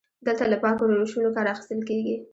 دلته له پاکو روشونو کار اخیستل کیږي.